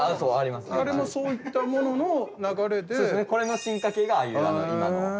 これの進化系がああいう今の。